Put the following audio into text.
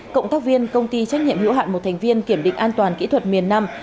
cộng tác viên công ty trách nhiệm hữu hạn một thành viên kiểm định an toàn kỹ thuật miền nam